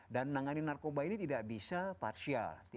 dan menangani narkoba ini tidak bisa partial